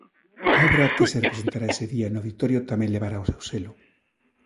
A obra que se representará ese día no Auditorio tamén levará o seu selo.